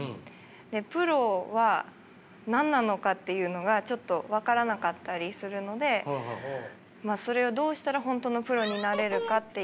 プロは何なのかっていうのがちょっと分からなかったりするのでそれをどうしたら本当のプロになれるかっていう。